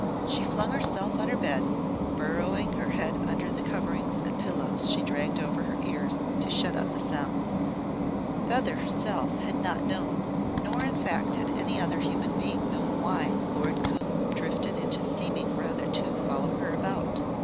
She flung herself on her bed, burrowing her head under the coverings and pillows she dragged over her ears to shut out the sounds. Feather herself had not known, nor in fact had any other human being known why Lord Coombe drifted into seeming rather to follow her about.